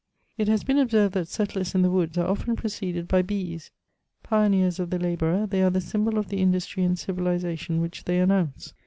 It ha^ been observed that settlers in the woods are often pre ceded by bees ; pioneers of the labourer, they are the symbol of the industry and civilisation which they announce.